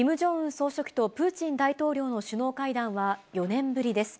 総書記とプーチン大統領の首脳会談は、４年ぶりです。